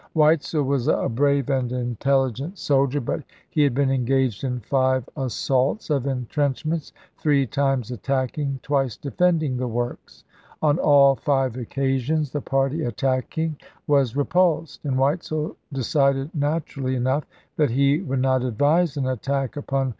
Weitzel was a brave and intelligent soldier, but he had been engaged in five assaults of intrench ments, three times attacking, twice defending the weitzei, works. On all iive occasions, the party attacking TRe^rty' was repulsed; and Weitzel decided naturally o? cinducft enough that he would not advise an attack upon 1864 65.'